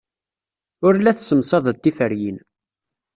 Ur la tessemsadeḍ tiferyin.